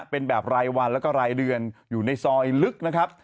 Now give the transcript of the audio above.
เป็นแบบรายวันแล้วก็รายเดือนอยู่ในซอยลึกนะครับ